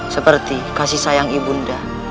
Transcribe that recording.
seperti kasih sayang ibu nda